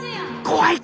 怖い！